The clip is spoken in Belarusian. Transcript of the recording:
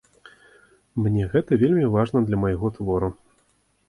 Мне гэта вельмі важна для майго твору.